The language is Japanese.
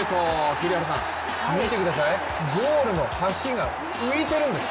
栗原さん見てください、ゴールの端が浮いているんです。